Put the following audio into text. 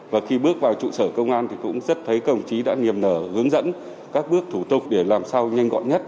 và khi bước vào trụ sở công an thì cũng rất thấy công chí đã nghiêm nở hướng dẫn các bước thủ tục để làm sao nhanh gọn nhất